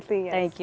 terima kasih banyak